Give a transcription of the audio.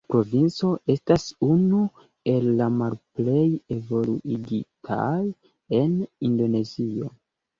La provinco estas unu el la malplej evoluigitaj en Indonezio.